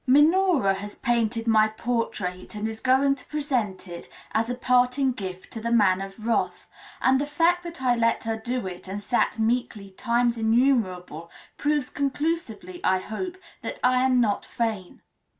Minora has painted my portrait, and is going to present it as a parting gift to the Man of Wrath; and the fact that I let her do it, and sat meekly times innumerable, proves conclusively, I hope, that I am not vain.